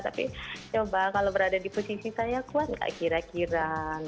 tapi coba kalau berada di posisi saya kuat gak kira kira